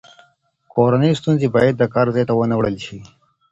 کورنۍ ستونزې باید د کار ځای ته ونه وړل شي.